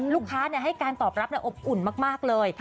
ลูกค้าเนี่ยให้การตอบรับเนี่ยอบอุ่นมากเลย